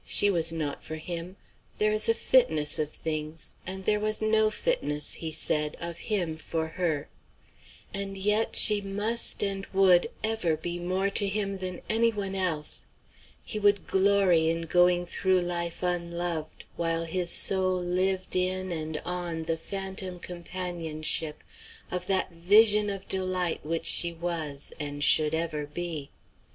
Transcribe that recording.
She was not for him. There is a fitness of things, and there was no fitness he said of him for her. And yet she must and would ever be more to him than any one else. He would glory in going through life unloved, while his soul lived in and on the phantom companionship of that vision of delight which she was and should ever be.